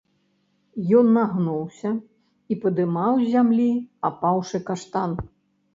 Ён нагнуўся і падымаў з зямлі апаўшы каштан.